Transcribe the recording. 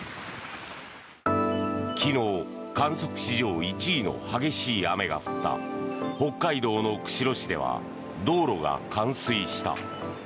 昨日、観測史上１位の激しい雨が降った北海道の釧路市では道路が冠水した。